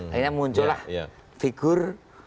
akhirnya muncullah figur